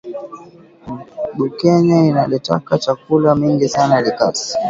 Bunkeya inaletaka chakula mingi sana likasi